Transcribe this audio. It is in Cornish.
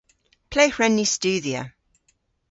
Ple hwren ni studhya?